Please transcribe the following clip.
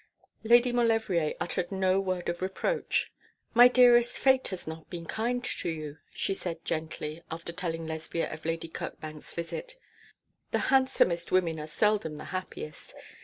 Lady Maulevrier uttered no word of reproach. 'My dearest, Fate has not been kind to you,' she said, gently, after telling Lesbia of Lady Kirkbank's visit. 'The handsomest women are seldom the happiest.